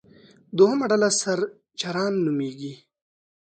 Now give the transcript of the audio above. دوهمه ډله سرچران نومېږي.